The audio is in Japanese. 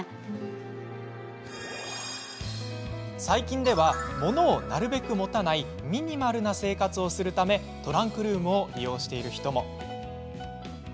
最近では、物をなるべく持たないミニマルな生活をするためトランクルームを利用している人も。